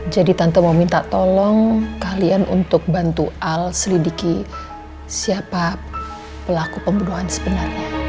jadi tante mau minta tolong kalian untuk bantu al selidiki siapa pelaku pembunuhan sebenarnya